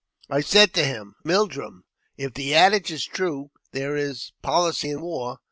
I said to him, "Mildrum, if the adage is true, there is policy in war.